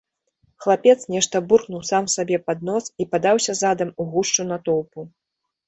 Хлапец нешта буркнуў сам сабе пад нос і падаўся задам у гушчу натоўпу.